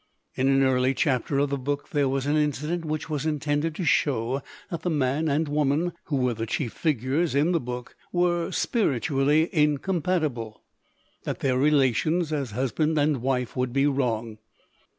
In an early chapter of the book there was an incident which was intended to show that the man and woman who were the chief figures in the book were spiritually incompatible, that their relations as husband and wife would be wrong.